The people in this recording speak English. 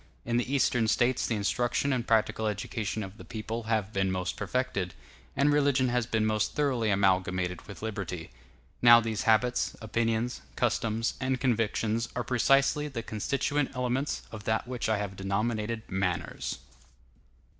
In the Eastern States the instruction and practical education of the people have been most perfected, and religion has been most thoroughly amalgamated with liberty. Now these habits, opinions, customs, and convictions are precisely the constituent elements of that which I have denominated manners.